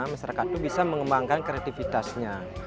masyarakat itu bisa mengembangkan kreativitasnya